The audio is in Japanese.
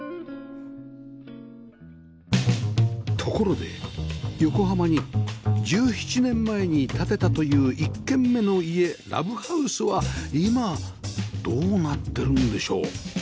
ところで横浜に１７年前に建てたという１軒目の家 ＬＯＶＥＨＯＵＳＥ は今どうなってるんでしょう？